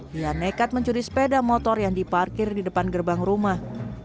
dia nekat mencuri sepeda motor yang diparkir di depan gerbang rumah